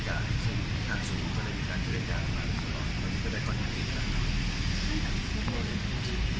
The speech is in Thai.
ทางสุดก็ได้พาไปก็ได้พอบรรพาสามารถ